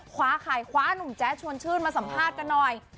คว้าไข่คว้านุ่มแจ๊ดชวนชื่นมาสัมภาษณ์กันหน่อย